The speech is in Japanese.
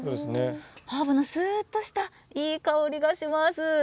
ハーブのすーっとしたいい香りがします。